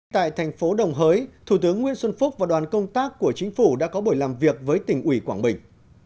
tại thành phố đồng hới thủ tướng nguyễn xuân phúc và đoàn công tác của chính phủ đã có buổi làm việc với tỉnh ủy quảng bình